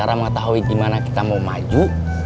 cara mengetahui gimana kita mau maju